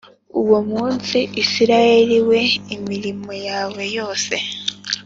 Uwo munsi Isirayeli we imirimo yawe yose